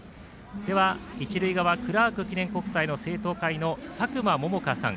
では、一塁側クラーク記念国際の生徒会の佐久間百花さん